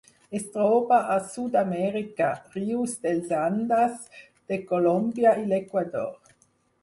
Es troba a Sud-amèrica: rius dels Andes de Colòmbia i l'Equador.